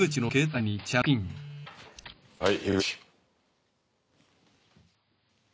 はい。